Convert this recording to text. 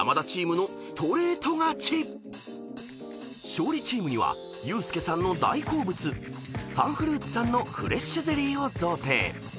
［勝利チームにはユースケさんの大好物「サン・フルーツ」さんのフレッシュゼリーを贈呈］